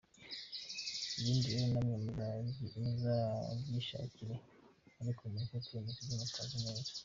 Ibindi rero namwe muzabyishakire; ariko mureke kwemeza ibyo mutazi neza.